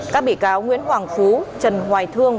các bị cáo nguyễn hoàng phú trần hoài thương